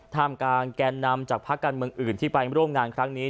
ท่ามกลางแกนนำจากภาคการเมืองอื่นที่ไปร่วมงานครั้งนี้